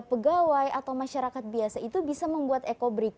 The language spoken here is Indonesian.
pegawai atau masyarakat biasa itu bisa membuat ekobrik